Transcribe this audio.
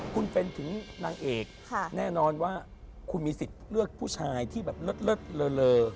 คุณเป็นถึงนางเอกแน่นอนว่าคุณมีสิทธิ์เลือกผู้ชายที่แบบเลิศเลอ